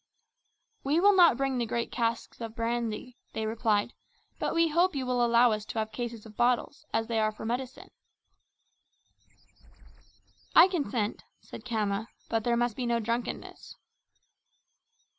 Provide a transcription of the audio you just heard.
"We will not bring the great casks of brandy," they replied, "but we hope you will allow us to have cases of bottles as they are for medicine." "I consent," said Khama, "but there must be no drunkenness."